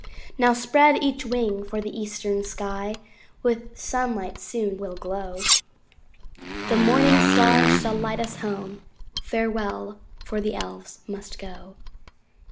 Now spread each wing, for the eastern sky With sunlight soon will glow. The morning star shall light us home: Farewell! for the Elves must go.